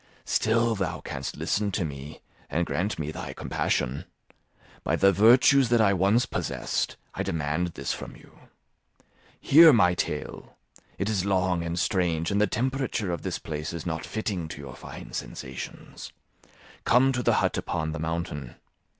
Still thou canst listen to me and grant me thy compassion. By the virtues that I once possessed, I demand this from you. Hear my tale; it is long and strange, and the temperature of this place is not fitting to your fine sensations; come to the hut upon the mountain.